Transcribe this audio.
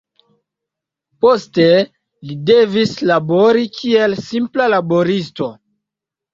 Poste li devis labori kiel simpla laboristo.